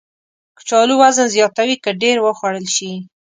کچالو وزن زیاتوي که ډېر وخوړل شي